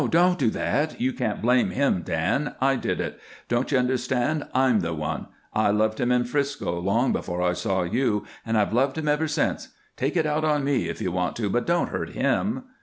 Don't do that. You can't blame him, Dan. I did it. Don't you understand? I'm the one. I loved him in 'Frisco, long before I saw you, and I've loved him ever since. Take it out on me, if you want to, but don't hurt him."